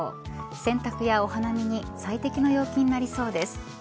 洗濯やお花見に最適な陽気になりそうです。